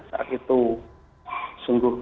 saat itu sungguh